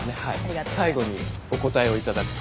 最後にお答えを頂くと。